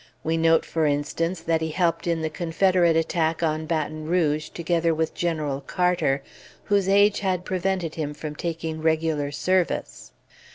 We note, for instance, that he helped in the Confederate attack on Baton Rouge, together with General Carter, whose age had prevented him from taking regular service.